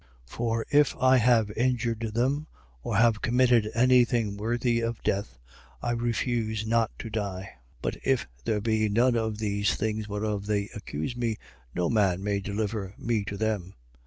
25:11. For if I have injured them or have committed any thing worthy of death, I refuse not to die. But if there be none of these things whereof they accuse me, no man may deliver me to them.